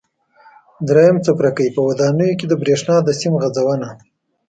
درېیم څپرکی: په ودانیو کې د برېښنا د سیم غځونه